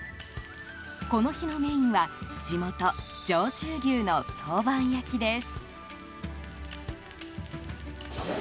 この日のメインは地元、上州牛の陶板焼きです。